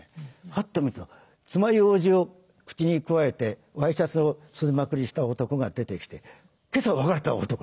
ふっと見るとつまようじを口にくわえてワイシャツを袖まくりした男が出てきて今朝別れた男。